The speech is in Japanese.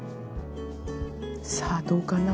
さあどうかな？